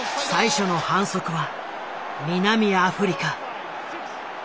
最初の反則は南アフリカ。